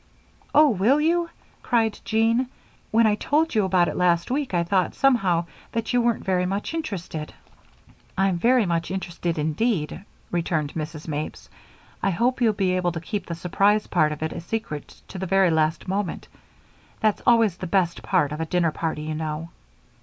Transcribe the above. "Oh, will you?" cried Jean. "When I told you about it last week I thought, somehow, that you weren't very much interested." "I'm very much interested indeed," returned Mrs. Mapes. "I hope you'll be able to keep the surprise part of it a secret to the very last moment. That's always the best part of a dinner party, you know."